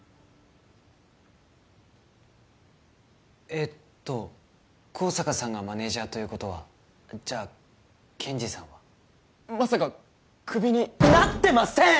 えっと香坂さんがマネージャーということはじゃあケンジさんは？まさかクビになってません！